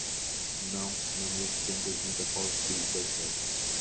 Não, não me arrependo das vinte apólices que lhe deixei.